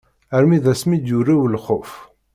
Armi d asmi d-yurew lxuf.